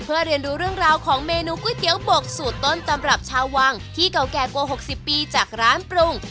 เพื่อเรียนดูเรื่องราวของเมนูก๋วยเตี๋ยวบกสูตรต้นตำรับชาววังที่เก่าแก่กว่า๖๐ปีจากร้านปรุง